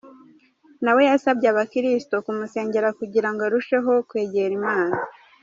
Na we yasabye abakristo kumusengera kugira ngo arusheho kwegera Imana.